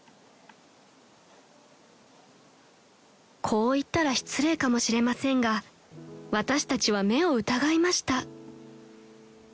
［こう言ったら失礼かもしれませんが私たちは目を疑いました］